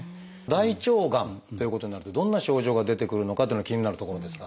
大腸がんということになるとどんな症状が出てくるのかというのが気になるところですが。